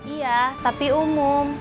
iya tapi umum